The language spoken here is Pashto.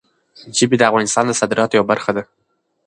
ژبې د افغانستان د صادراتو یوه برخه ده.